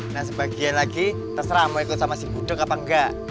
nah sebagian lagi terserah mau ikut sama si gudeg apa enggak